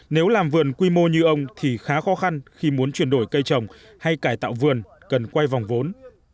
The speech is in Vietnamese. nếu làm vườn quy mô như ông thì khá khó khăn khi muốn chuyển đổi cây trồng hay cải tạo vườn cần quay vòng vốn